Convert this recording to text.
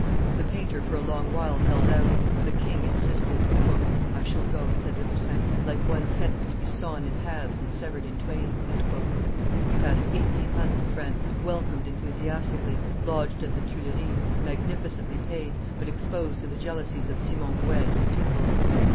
The painter for a long while held out; the king insisted. "I shall go," said Le Poussin, "like one sentenced to be sawn in halves and severed in twain." He passed eighteen months in France, welcomed enthusiastically, lodged at the Tuileries, magnificently paid, but exposed to the jealousies of Simon Vouet and his pupils.